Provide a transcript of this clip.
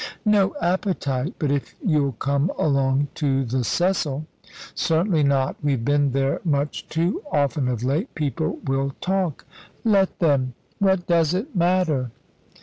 "No appetite. But if you'll come along to the Cecil " "Certainly not. We've been there much too often of late. People will talk." "Let them! What does it matter?"